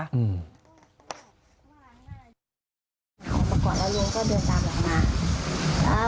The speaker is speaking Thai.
เขาบอกแล้วลุงก็เดินตามหลังมา